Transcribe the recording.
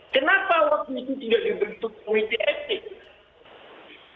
kenapa waktu itu tidak dibentuk komite etik